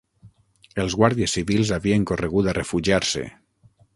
Els guàrdies civils havien corregut a refugiar-se